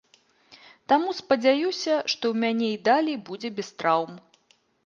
Таму спадзяюся, што ў мяне і далей будзе без траўм.